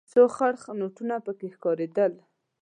څو خړ نوټونه پکې ښکارېدل.